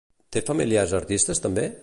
Té familiars artistes també?